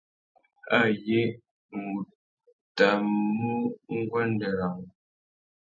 Ayé, ngu tà mu nguêndê râ wô.